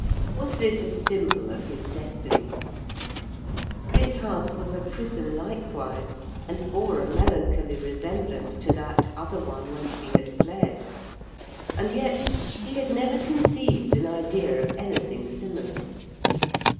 Was this a symbol of his destiny? This house was a prison likewise and bore a melancholy resemblance to that other one whence he had fled, and yet he had never conceived an idea of anything similar.